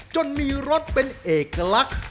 จนมีรสเป็นเอกลักษณ์